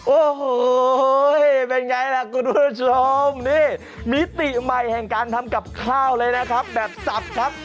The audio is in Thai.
โอ้โหเป็นไงล่ะคุณผู้ชมนี่มิติใหม่แห่งการทำกับข้าวเลยนะครับแบบสับครับ